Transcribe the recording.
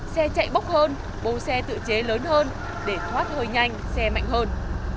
xe chạy bốc hơn bầu xe tự chế lớn hơn để thoát hơi nhanh xe mạnh hơn